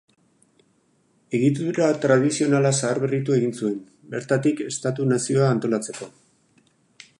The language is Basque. Egitura tradizionala zaharberritu egin zuen, bertatik estatu-nazioa antolatzeko.